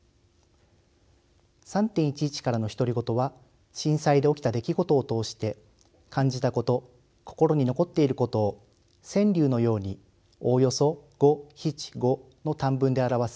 「３．１１からの独り言」は震災で起きた出来事を通して感じたこと心に残っていることを川柳のようにおおよそ五七五の短文で表す表現手法です。